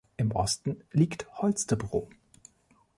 Im Osten liegt Holstebro.